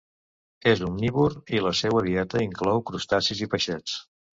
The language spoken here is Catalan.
És omnívor i la seua dieta inclou crustacis i peixets.